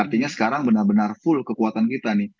artinya sekarang benar benar full kekuatan kita nih